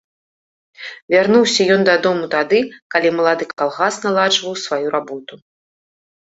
Вярнуўся ён дадому тады, калі малады калгас наладжваў сваю работу.